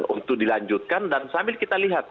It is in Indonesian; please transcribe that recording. untuk dilanjutkan dan sambil kita lihat